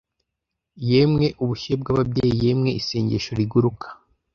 yemwe ubushyuhe bw'ababyeyi yemwe isengesho riguruka